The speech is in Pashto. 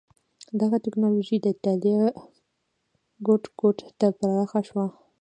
دغه ټکنالوژي د اېټالیا ګوټ ګوټ ته پراخه شوه.